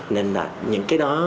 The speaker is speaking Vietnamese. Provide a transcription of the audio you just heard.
nên là những cái đó